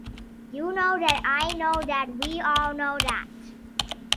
You know that, I know that, we all know that.